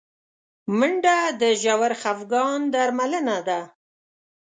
منډه د ژور خفګان درملنه ده